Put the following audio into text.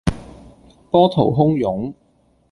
波濤洶湧